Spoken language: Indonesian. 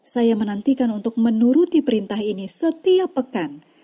saya menantikan untuk menuruti perintah ini setiap pekan